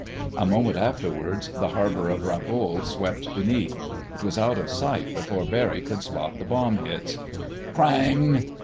A moment afterward the harbor of Rabaul swept beneath. It was out of sight before Barry could spot the bomb hits. KRANG!